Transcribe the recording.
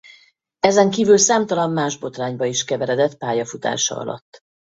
Ezen kívül számtalan más botrányba is keveredett pályafutása alatt.